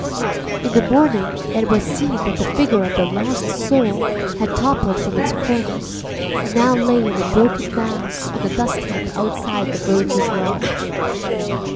In the morning it was seen that the Figure of the Lost Soul had toppled from its cornice and lay now in a broken mass on the dust heap outside the vergerŌĆÖs lodge.